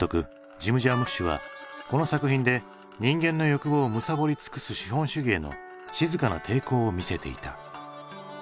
ジム・ジャームッシュはこの作品で人間の欲望をむさぼり尽くす資本主義への静かな抵抗を見せていた。